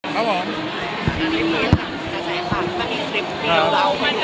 ครับหรอ